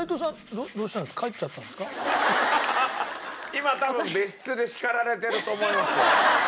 今多分別室で叱られてると思いますよ。